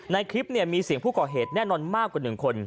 ในคลิปมีเสียงผู้ก่อเหตุแน่นอนมากกว่า๑คน